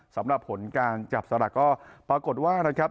สำหรับผลการจับสลักก็ปรากฏว่านะครับ